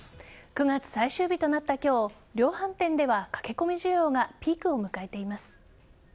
９月最終日となった今日量販店では駆け込み需要がピークを迎えています。